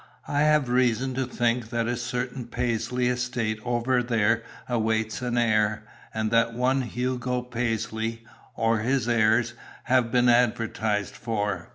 "I have reason to think that a certain Paisley estate over there awaits an heir; and that one Hugo Paisley, or his heirs, have been advertised for.